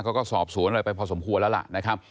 เขาก็สอบสวนอะไรไปพอสมควรแล้วล่ะนะครับ